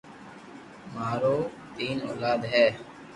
ماري تين اولاد ھي